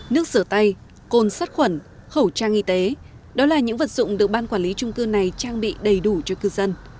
nước rửa tay côn sắt khuẩn khẩu trang y tế đó là những vật dụng được ban quản lý trung cư này trang bị đầy đủ cho cư dân